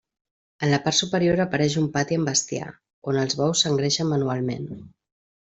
En la part superior apareix un pati amb bestiar, on els bous s'engreixen manualment.